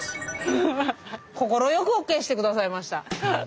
快くＯＫしてくださいました。